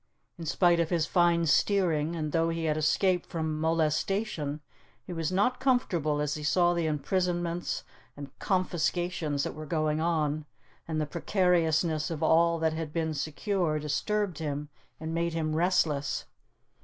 In spite of his fine steering, and though he had escaped from molestation, he was not comfortable as he saw the imprisonments and confiscations that were going on; and the precariousness of all that had been secure disturbed him and made him restless.